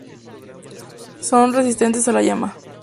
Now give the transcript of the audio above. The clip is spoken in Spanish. Son resistentes a la llama.